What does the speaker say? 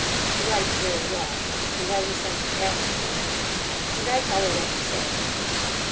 She writes very well. And has a sense of atmosphere. And I tell her what to say.